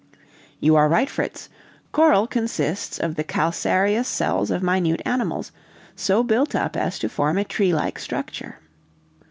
"You are right, Fritz; coral consists of the calcareous cells of minute animals, so built up as to form a tree like structure.